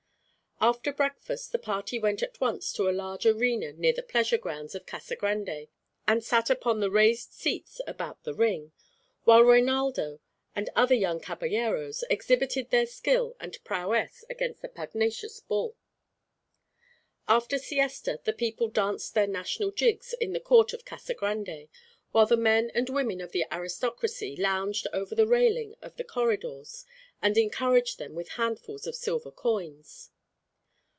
After breakfast, the party went at once to a large arena near the pleasure grounds of Casa Grande, and sat upon the raised seats about the ring, while Reinaldo and other young caballeros exhibited their skill and prowess against the pugnacious bull. After siesta the people danced their national jigs in the court of Casa Grande, while the men and women of the aristocracy lounged over the railing of the corridors and encouraged them with handfuls of silver coins.